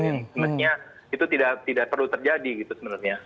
sebenarnya itu tidak perlu terjadi gitu sebenarnya